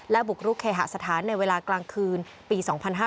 บุกรุกเคหสถานในเวลากลางคืนปี๒๕๕๙